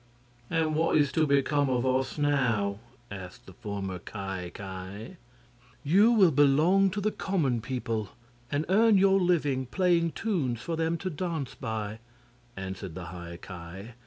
"And what is to become of us now?" asked the former Ki Ki. "You will belong to the common people, and earn your living playing tunes for them to dance by," answered the High Ki.